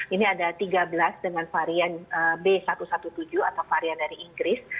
ini ada tiga belas dengan varian b satu satu tujuh atau varian dari inggris